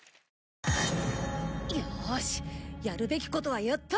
よしやるべきことはやった。